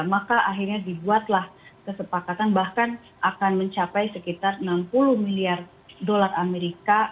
maka akhirnya dibuatlah kesepakatan bahkan akan mencapai sekitar enam puluh miliar dolar amerika